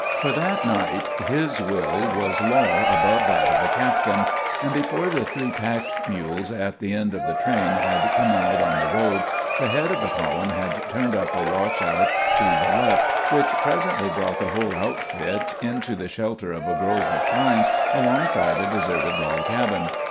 For that night his will was law above that of the captain; and before the three pack mules at the end of the train had come out on the road, the head of the column had turned up a washout to the left, which presently brought the whole outfit into the shelter of a grove of pines alongside a deserted log cabin.